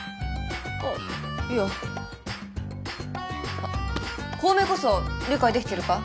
あっいやあっ小梅こそ理解できてるか？